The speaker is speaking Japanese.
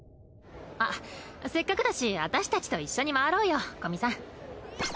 あっせっかくだし私たちと一緒に回ろうよ古見さん。